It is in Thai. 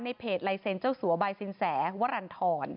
เพจลายเซ็นเจ้าสัวบายสินแสวรรณฑร